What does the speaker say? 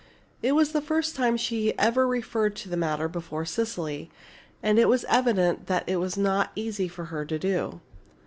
It was the first time she had ever referred to the matter before Cecily, and it was evident that it was not easy for her to do so.